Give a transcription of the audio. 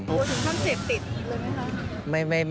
โหถึงต้องเสพติดอีกเลยมั้ยครับ